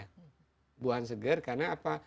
bukan buahan seger karena apa